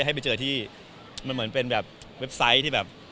ให้ไปเจอที่มันเหมือนเป็นแบบเว็บไซต์ที่แบบ